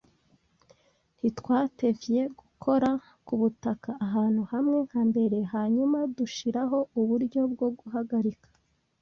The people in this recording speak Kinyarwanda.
Ntitwatevye gukora ku butaka ahantu hamwe nka mbere hanyuma dushiraho uburyo bwo guhagarika